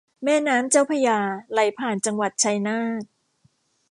แม่น้ำเจ้าพระยาไหลผ่านจังหวัดชัยนาท